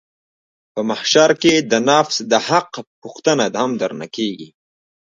په محشر کښې د نفس د حق پوښتنه هم درنه کېږي.